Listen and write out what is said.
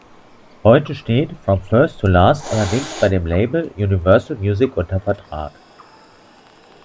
Heute steht From First To Last allerdings bei dem Label Universal Music unter Vertrag.